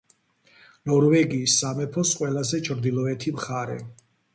ნორვეგიის სამეფოს ყველაზე ჩრდილოეთი მხარე.